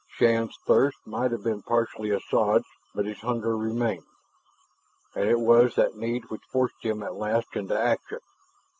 Shann's thirst might have been partially assuaged, but his hunger remained. And it was that need which forced him at last into action.